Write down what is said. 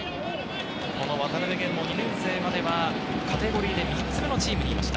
渡辺弦も２年生前はカテゴリーで３つ目のチームにいました。